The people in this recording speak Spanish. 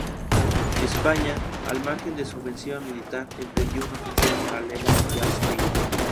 España, al margen de su ofensiva militar, emprendió una ofensiva paralela, la civil.